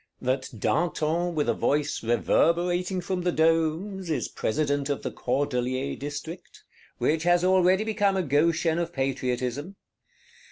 That Danton, with a "voice reverberating from the domes," is President of the Cordeliers District; which has already become a Goshen of Patriotism.